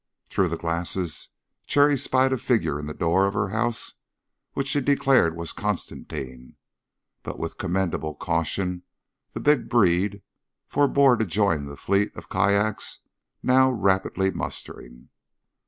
Through the glasses Cherry spied a figure in the door of her house which she declared was Constantine, but with commendable caution the big breed forebore to join the fleet of kyaks now rapidly mustering.